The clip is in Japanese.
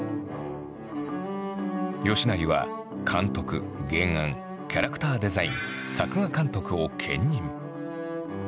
吉成は監督原案キャラクターデザイン作画監督を兼任。